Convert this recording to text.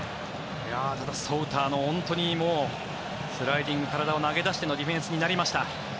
ただ、ソウターのスライディング体を投げ出してのディフェンスになりました。